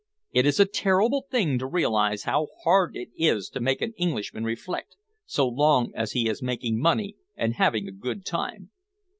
It is a terrible thing to realise how hard it is to make an Englishman reflect, so long as he is making money and having a good time.